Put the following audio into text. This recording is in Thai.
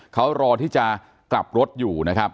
เขารอที่จะกลับรถอยู่นะครับ